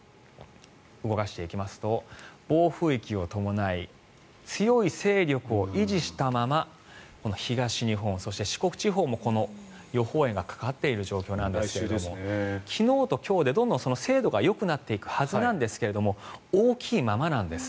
動かしていきますと暴風域を伴い強い勢力を維持したままこの東日本そして四国地方もこの予報円がかかっている状況なんですが昨日と今日でどんどん精度がよくなっていくはずなんですが大きいままなんです。